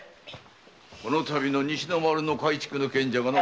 このたびの西の丸の改築の件だがな。